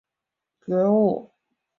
锯齿沙参为桔梗科沙参属的植物。